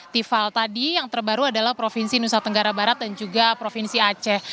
tival tadi yang terbaru adalah provinsi nusa tenggara barat dan juga provinsi aceh